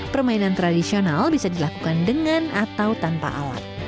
permainan tradisional bisa dilakukan dengan atau tanpa alat